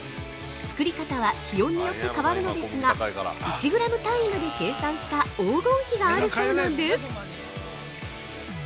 作り方は気温によって変わるのですが、１グラム単位まで計算した黄金比があるそうなんです。